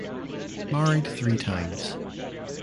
Married three times.